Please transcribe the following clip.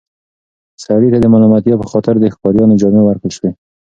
سړي ته د ملامتیا په خاطر د ښکاریانو جامې ورکړل شوې.